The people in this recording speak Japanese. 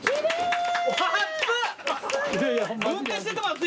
熱っ！